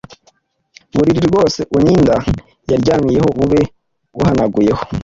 uburiri bwose uninda yaryamyeho bube buhanaguyeho